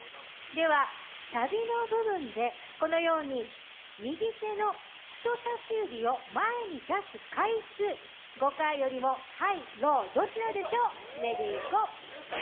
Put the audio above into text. では、サビの部分でこのように右手の人さし指を前に出す回数、５回よりもＨＩＧＨ、ＬＯＷ、どちらでしょう。